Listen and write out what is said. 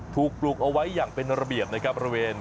ถูกปลูกเอาไว้อย่างเป็นระเบียบในกรรมระเวน